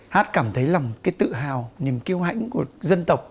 hát cảm thấy là một cái tự hào niềm kêu hãnh của dân tộc